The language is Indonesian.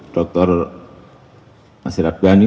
dr masyarak ghani